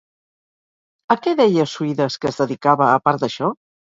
A què deia Suides que es dedicava a part d'això?